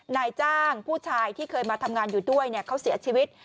นายจ้างผู้ชายที่เคยมาทำงานอยู่ด้วยเขาเสียชีวิต